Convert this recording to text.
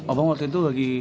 abang waktu itu lagi